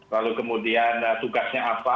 lalu kemudian tugasnya apa